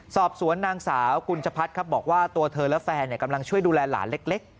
สอบสวนนางสาวกุญชพัฒน์ครับบอกว่าตัวเธอและแฟนกำลังช่วยดูแลหลานเล็ก